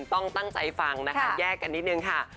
ต้องตั้งใจฟังนะคะแยกกันนิดนึงค่ะ